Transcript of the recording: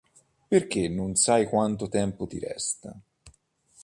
Perché non sai quanto tempo ti resta.